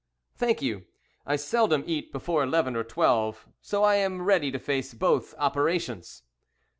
"Thank you, I seldom eat before eleven or twelve, so I am ready to face both operations."